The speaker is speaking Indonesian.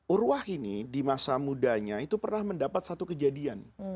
urwah ini di masa mudanya itu pernah mendapat satu kejadian